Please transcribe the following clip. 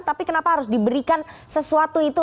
tapi kenapa harus diberikan sesuatu itu